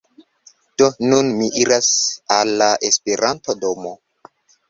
Do, nun mi iras al la Esperanto-domo